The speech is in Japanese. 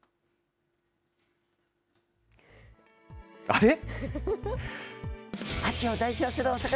あれ？